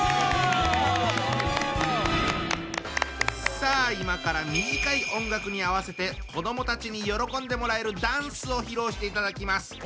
さあ今から短い音楽に合わせて子どもたちに喜んでもらえるダンスを披露していただきます。